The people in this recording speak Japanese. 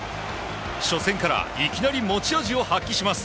初戦からいきなり持ち味を発揮します。